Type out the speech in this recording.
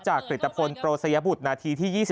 จากกฤตภัณฑ์โปรเสยบุตรณที่๒๓